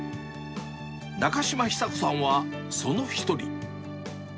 中島尚子さんはその１人。